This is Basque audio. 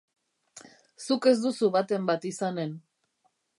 Zuk ez duzu baten bat izanen.